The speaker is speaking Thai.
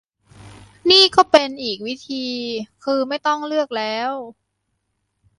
นี่ก็เป็นอีกวิธี คือไม่ต้องเลือกแล้ว